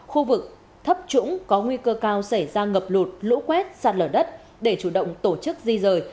khu vực thấp trũng có nguy cơ cao xảy ra ngập lụt lũ quét sạt lở đất để chủ động tổ chức di rời